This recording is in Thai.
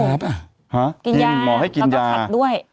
หารกินยากับถัดด้วย